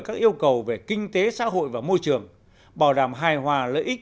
các yêu cầu về kinh tế xã hội và môi trường bảo đảm hài hòa lợi ích